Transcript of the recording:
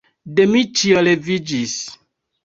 Dmiĉjo leviĝis.